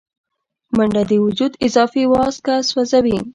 منډه د وجود اضافي وازګه سوځوي